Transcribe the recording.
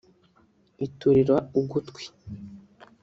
iturira ugutwi